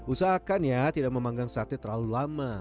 usahakan ya tidak memanggang sate terlalu lama